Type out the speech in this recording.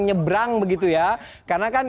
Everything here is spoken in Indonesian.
nyebrang begitu ya karena kan